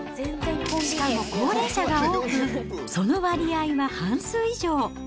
しかも高齢者が多く、その割合は半数以上。